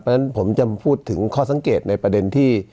เพราะฉะนั้นผมจะพูดถึงข้อสังเกตในประเด็นที่